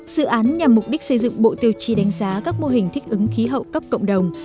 dự án nhằm mục đích xây dựng bộ tiêu chí đánh giá các mô hình thích ứng khí hậu cấp cộng đồng